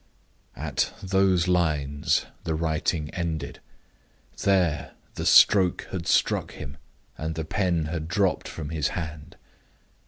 At those lines the writing ended. There the stroke had struck him, and the pen had dropped from his hand.